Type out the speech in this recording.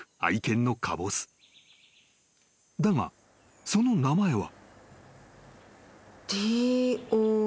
［だがその名前は］